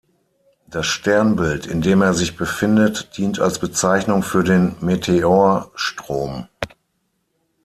Das Sternbild, in dem er sich befindet, dient als Bezeichnung für den Meteorstrom.